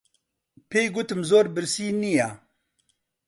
پێی گوتم زۆر برسی نییە.